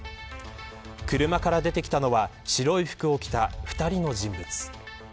車から出てきたのは白い服を着た２人の人物。